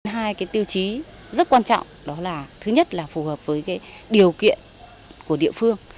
hai cái tiêu chí rất quan trọng đó là thứ nhất là phù hợp với điều kiện của địa phương